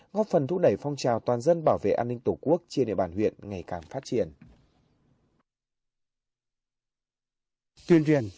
góp phần thúc đẩy phong trào toàn dân bảo vệ an ninh tổ quốc trên địa bàn huyện ngày càng phát triển